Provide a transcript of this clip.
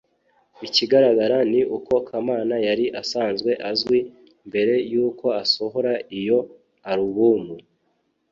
ikigaragara ni uko kamana yari asanzwe azwi mbere yuko asohora iyo alubumu